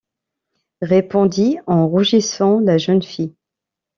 répondit en rougissant la jeune fille.